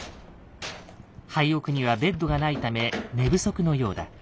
廃屋にはベッドがないため寝不足のようだ。